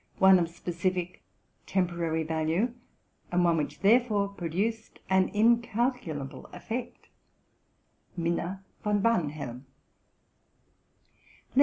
one of specific, temporary value, and one which therefore pro duced an incalculable effect, —'' Minna von Barnhelm."